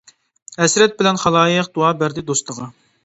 ھەسرەت بىلەن خالايىق، دۇئا بەردى دوستىغا.